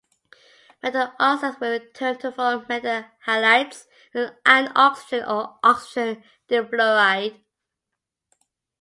Metal oxides will react to form metal halides and oxygen or oxygen difluoride.